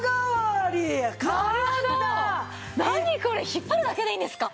引っ張るだけでいいんですか！